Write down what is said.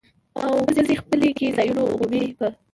او پزې خپلې کې ځایونو عمومي په